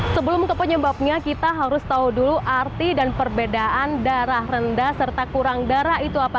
sebelum ke penyebabnya kita harus tahu dulu arti dan perbedaan darah rendah serta kurang darah itu apa